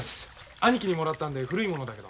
兄貴にもらったんで古いものだけど。